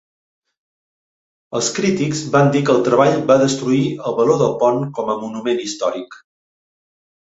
Els crítics van dir que el treball va destruir el valor del pont com a monument històric.